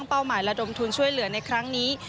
เป้าหมายระดมทุนช่วยเหลือในครั้งนี้